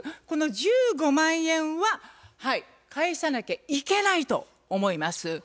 この１５万円は返さなきゃいけないと思います。